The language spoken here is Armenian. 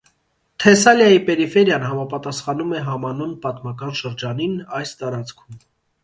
Թեսալիայի պերիֆերիան համապատասխանում է համանուն պատմական շրջանին այս տարածքում։